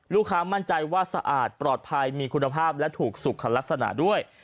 มั่นใจว่าสะอาดปลอดภัยมีคุณภาพและถูกสุขลักษณะด้วย